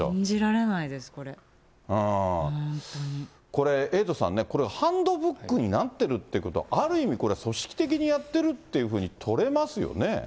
これ、エイトさんね、これハンドブックになってるということは、ある意味、これは組織的にやってるっていうふうに取れますよ